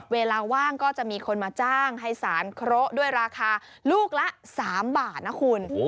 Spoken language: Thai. เวลาว่างก็จะมีคนมาจ้างให้สารเคราะห์ด้วยราคาลูกละ๓บาทนะคุณ